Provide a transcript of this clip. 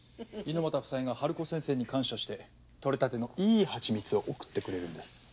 猪俣夫妻がハルコ先生に感謝して採れたてのいい蜂蜜を送ってくれるんです。